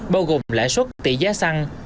bao gồm lãi suất tỷ giá xăng